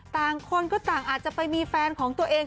ต่างคนก็ต่างอาจจะไปมีแฟนของตัวเอง